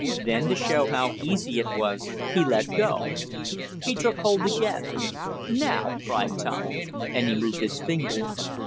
Then to show how easy it was he let go. He took hold again. "Now!" cried Tom, and he moved his finger.